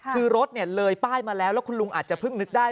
คือรถเลยป้ายมาแล้วแล้วคุณลุงอาจจะเพิ่งนึกได้